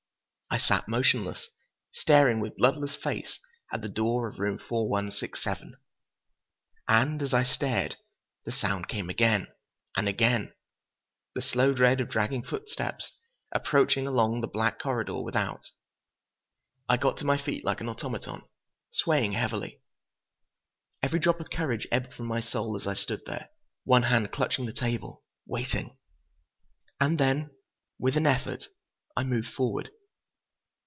I sat motionless, staring with bloodless face at the door of room 4167. And as I stared, the sound came again, and again—the slow tread of dragging footsteps, approaching along the black corridor without! I got to my feet like an automaton, swaying heavily. Every drop of courage ebbed from my soul as I stood there, one hand clutching the table, waiting.... And then, with an effort, I moved forward.